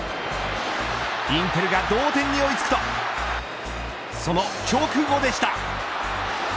インテルが同点に追い付くとその直後でした。